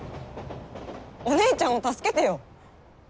お姉ちゃんを助けてよ！